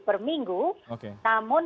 per minggu namun